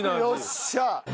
よっしゃあ。